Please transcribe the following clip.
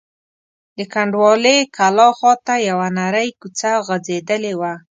د کنډوالې کلا خواته یوه نرۍ کوڅه غځېدلې وه.